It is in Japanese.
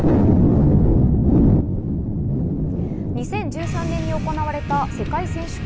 ２０１３年に行われた世界選手権。